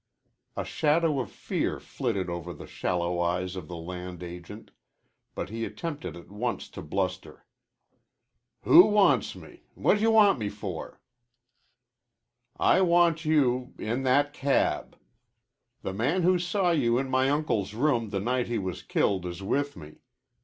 A shadow of fear flitted over the shallow eyes of the land agent, but he attempted at once to bluster. "Who wants me? Whadjawant me for?" "I want you in that cab. The man who saw you in my uncle's room the night he was killed is with me.